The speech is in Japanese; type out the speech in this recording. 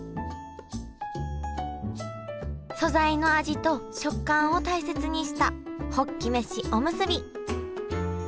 素材の味と食感を大切にしたホッキ飯おむすび。